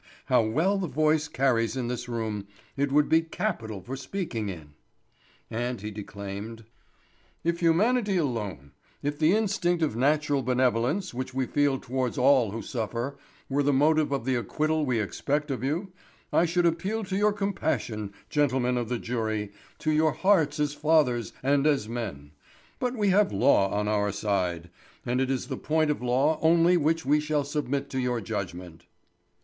How well the voice carries in this room; it would be capital for speaking in." And he declaimed: "If humanity alone, if the instinct of natural benevolence which we feel towards all who suffer, were the motive of the acquittal we expect of you, I should appeal to your compassion, gentlemen of the jury, to your hearts as fathers and as men; but we have law on our side, and it is the point of law only which we shall submit to your judgment."